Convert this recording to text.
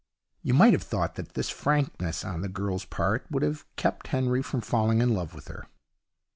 You might have thought that this frankness on the girl's part would have kept Henry from falling in love with her.